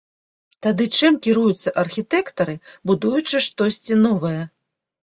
Тады чым кіруюцца архітэктары, будуючы штосьці новае?